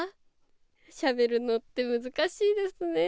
しゃべるのって難しいですね。